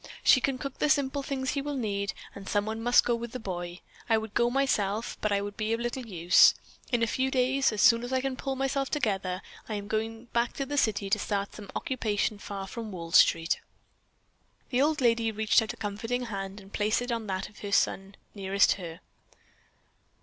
She can cook the simple things he will need and some one must go with the boy. I would go myself, but I would be of little use. In a few days, as soon as I can pull myself together, I am going back to the city to start in some occupation far from Wall Street." The old lady reached out a comforting hand and placed it on that of her son nearest her.